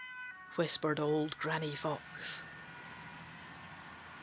whispered Old Granny Fox.